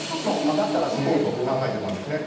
上がったら突こうと考えてたんですね。